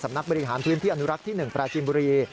นักบริหารพื้นที่อนุรักษ์ที่๑ปราจินบุรี